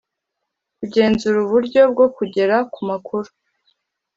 Kugenzura uburyo bwo kugera ku makuru